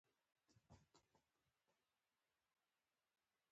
لمر څخه دماغ کوز کړ.